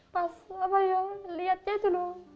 pas apa ya lihatnya itu dulu